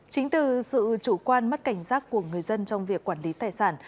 chính từ sự chủ quan mất cảnh giác của người dân trong việc quản lý tài sản